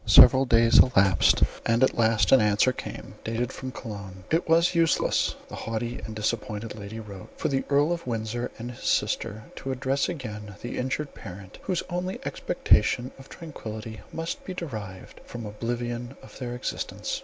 Several days elapsed, and at last an answer came, dated from Cologne. "It was useless," the haughty and disappointed lady wrote, "for the Earl of Windsor and his sister to address again the injured parent, whose only expectation of tranquillity must be derived from oblivion of their existence.